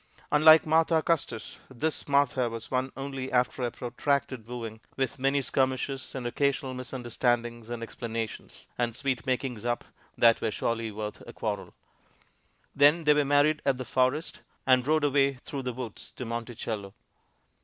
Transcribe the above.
Unlike Martha Custis, this Martha was won only after a protracted wooing, with many skirmishes and occasional misunderstandings and explanations, and sweet makings up that were surely worth a quarrel. Then they were married at "The Forest," and rode away through the woods to Monticello.